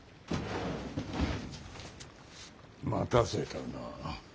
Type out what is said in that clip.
待たせたな。